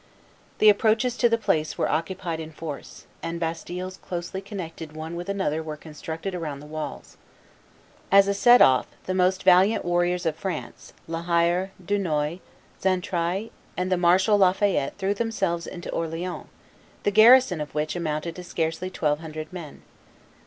The approaches to the place were occupied in force, and bastilles closely connected one with another were constructed around the walls. As a set off, the most valiant warriors of France, La Hire, Dunois, Xaintrailles, and the Marshal La Fayette threw themselves into Orleans, the garrison of which amounted to scarcely twelve hundred men.